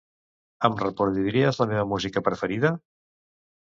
Em reproduiries la meva música preferida?